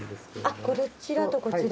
あっこちらとこちら？